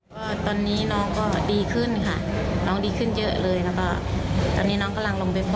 แต่ตอนนี้น้องก็ดีขึ้นค่ะการดีขึ้นแล้ว